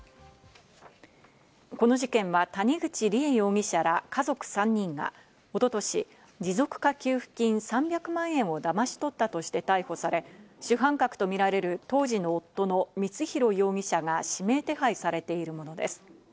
この事件は谷口梨恵容疑者ら家族３人が一昨年、持続化給付金３００万円をだまし取ったとして逮捕され、主犯格とみられる当時の夫の光弘容疑者が指名手配されているものです。